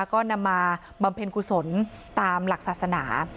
ก็นำมาบำเพ็ญกุศลตามหลักศาสนา